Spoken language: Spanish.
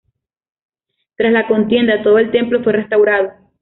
Tras la contienda, todo el templo fue restaurado.